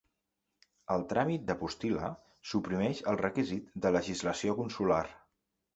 El tràmit de postil·la suprimeix el requisit de legalització consular.